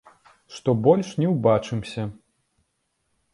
Што больш не ўбачымся.